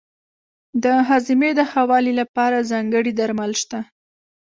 د هاضمې د ښه والي لپاره ځانګړي درمل شته.